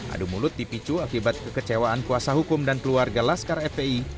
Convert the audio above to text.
adu mulut dipicu akibat kekecewaan kuasa hukum dan keluarga laskar fpi